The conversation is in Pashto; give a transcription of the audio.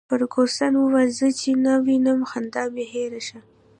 فرګوسن وویل: زه چي تا ووینم، خندا مي هېره شي.